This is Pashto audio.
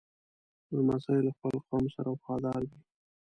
لمسی له خپل قوم سره وفادار وي.